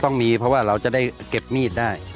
ต้องมีเพราะว่าเราจะได้เก็บมีดได้